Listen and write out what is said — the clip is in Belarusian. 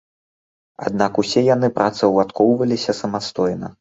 Аднак усе яны працаўладкоўваліся самастойна.